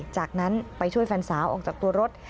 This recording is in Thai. จากนั้นไปช่วยแฟนสาวออกจากตัวรถ